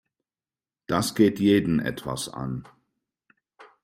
Das geht jeden etwas an.